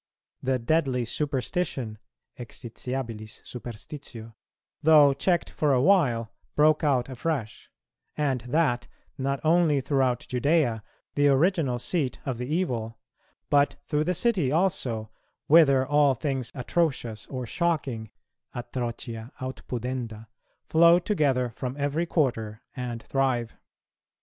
The deadly superstition (exitiabilis superstitio), though checked for a while, broke out afresh; and that, not only throughout Judæa, the original seat of the evil, but through the City also, whither all things atrocious or shocking (atrocia aut pudenda) flow together from every quarter and thrive.